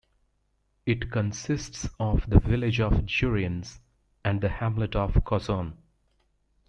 It consists of the village of Juriens and the hamlet of Cosson.